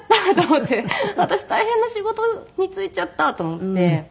私大変な仕事に就いちゃったと思って。